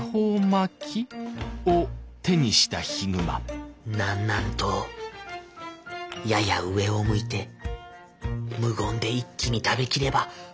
心の声南南東やや上を向いて無言で一気に食べきれば幸運が。